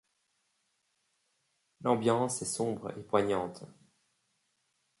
L'ambiance est sombre et poignante.